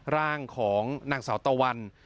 ร่างของนางสาวตะวัน